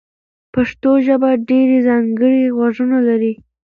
پښتو ژبه ډېر ځانګړي غږونه لري.